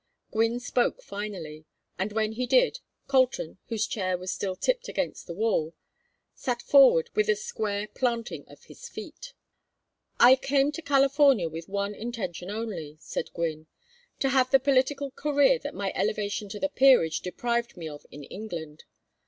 Gwynne spoke finally, and when he did, Colton, whose chair was still tipped against the wall, sat forward with a square planting of his feet. "I came to California with one intention only," said Gwynne: "to have the political career that my elevation to the peerage deprived me of in England.